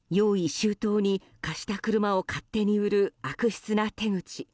周到に貸した車を勝手に売る悪質な手口。